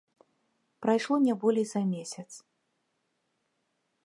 Прайшло не болей за месяц.